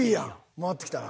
回ってきたな。